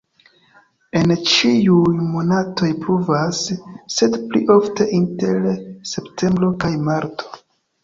En ĉiuj monatoj pluvas, sed pli ofte inter septembro kaj marto.